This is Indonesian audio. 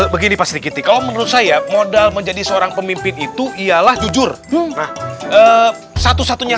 begini pak sedikit kalau menurut saya modal menjadi seorang pemimpin itu ialah jujur nah satu satunya